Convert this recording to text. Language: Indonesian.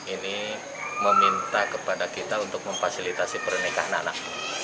ini meminta kepada kita untuk memfasilitasi pernikahan anak